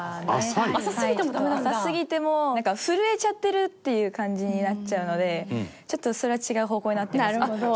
心愛ちゃん：浅すぎても、なんか震えちゃってるっていう感じになっちゃうので、ちょっとそれは違う方向になってます。